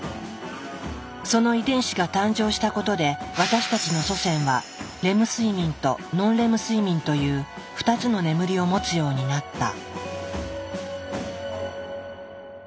その遺伝子が誕生したことで私たちの祖先はレム睡眠とノンレム睡眠という２つの眠りを持つようになった。